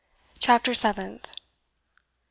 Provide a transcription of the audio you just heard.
CHAPTER SEVENTH.